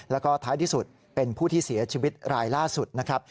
แล้วก็ท้ายที่สุดเป็นผู้ที่เสียชีวิตรายล่าสุดนะครับ